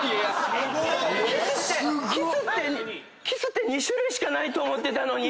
キスって２種類しかないと思ってたのに。